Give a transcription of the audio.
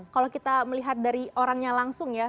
kalau kita melihat dari orangnya langsung ya